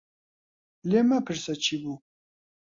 لێم مەپرسە چی بوو.